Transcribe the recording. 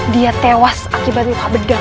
dia tewas akibat luka begal